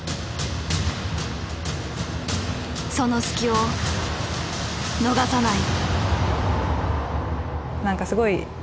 その隙を逃さない。